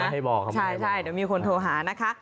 หลายแรกคนต้องโทรหานะคะ